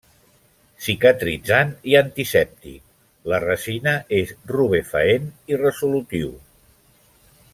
Cicatritzant i antisèptic; la resina és rubefaent i resolutiu.